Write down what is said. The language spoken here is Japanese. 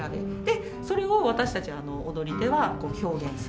それを私たち踊り手はこう表現するというか。